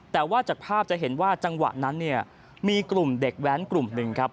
แต่ว่าจากภาพจะเห็นว่าจังหวะนั้นเนี่ยมีกลุ่มเด็กแว้นกลุ่มหนึ่งครับ